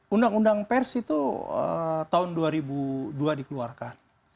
undang undang pers itu tahun dua ribu dua dikeluarkan